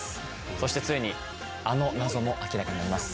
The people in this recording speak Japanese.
そしてついにあの謎も明らかになります